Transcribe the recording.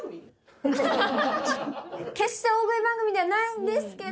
決して大食い番組ではないんですけど。